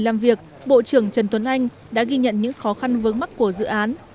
đồng thời bộ trưởng trần tuấn anh đã ghi nhận những khó khăn vướng mắt của dự án